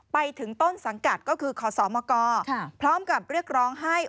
ไปถึงต้นสังกัดก็คือขอสมกพร้อมกับเรียกร้องให้